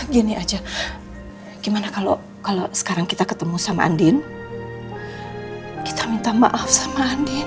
gini aja gimana kalau kalau sekarang kita ketemu sama andin kita minta maaf sama andin